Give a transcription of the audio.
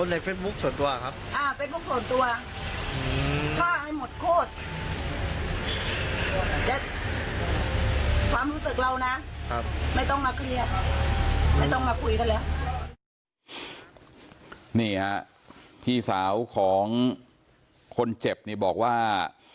นี่ครับพี่สาวของคนเจ็บบอกว่า